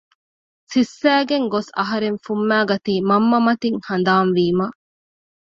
ސިއްސައިގެން ގޮސް އަހަރެން ފުއްމައިގަތީ މަންމަ މަތިން ހަނދާން ވީމަ